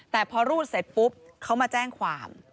แต่พอรูดเสร็จปุ๊บเขามาแจ้งความ